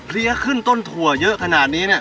เรียกขึ้นต้นถั่วเยอะขนาดนี้